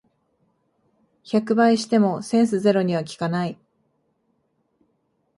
百倍してもセンスゼロには効かない